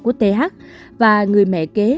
của t h và người mẹ kế